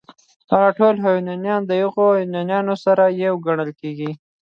دا ټول هونيان د هغو هونيانو سره يو گڼل کېږي